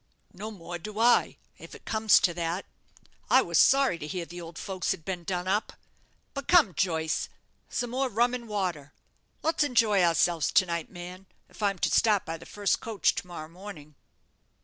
"No more do I, if it comes to that. I was sorry to hear the old folks had been done up. But come, Joyce, some more rum and water. Let's enjoy ourselves to night, man, if I'm to start by the first coach to morrow morning.